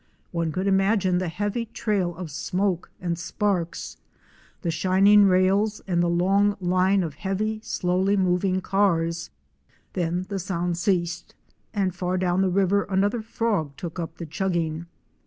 One could imagine the heavy trail of smoke and sparks, the shining rails and the long line of heavy, slowly moving cars — then the sound ceased, and far down the river another frog took up the chugging.